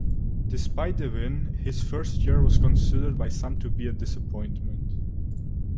Despite the win, his first year was considered by some to be a disappointment.